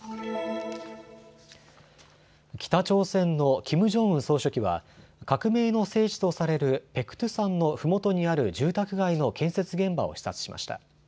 北朝鮮のキム・ジョンウン総書記は革命の聖地とされるペクトゥ山のふもとにある住宅街の建設現場を視察しました。